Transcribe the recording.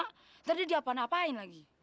ntar dia diapa napain lagi